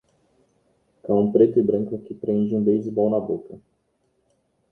Cão preto e branco que prende um basebol na boca.